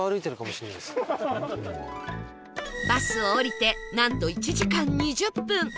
バスを降りてなんと１時間２０分